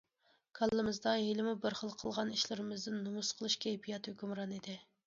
كاللىمىزدا ھېلىمۇ بىر خىل قىلغان ئىشلىرىمىزدىن نومۇس قىلىش كەيپىياتى ھۆكۈمران ئىدى.